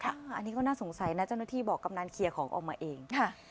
อันนี้ก็น่าสงสัยนะเจ้าหน้าที่บอกกำนันเคลียร์ของออกมาเอง